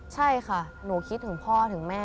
ใช่ค่ะหนูคิดถึงพ่อถึงแม่